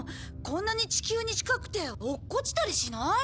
こんなに地球に近くて落っこちたりしない？